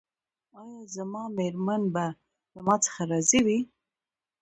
ایا زما میرمن به له ما څخه راضي وي؟